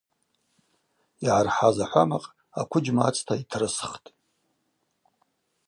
Йгӏархӏаз ахӏвамакъ аквыджьма ацта йтрысхтӏ.